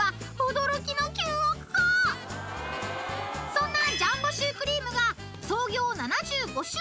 ［そんな］